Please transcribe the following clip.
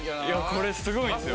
これすごいんすよ。